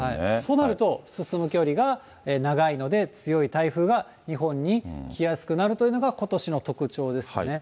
そうなると、進む距離が長いので、強い台風が日本に来やすくなるというのが、ことしの特徴ですね。